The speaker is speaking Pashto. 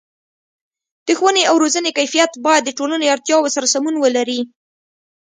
د ښوونې او روزنې کیفیت باید د ټولنې اړتیاو سره سمون ولري.